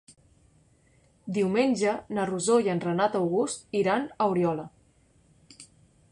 Diumenge na Rosó i en Renat August iran a Oriola.